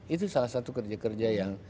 itu salah satu kerja kerja yang